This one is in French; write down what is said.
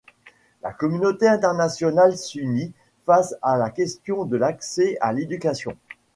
La communauté internationale s’unit face à la question de l’accès à l’éducation.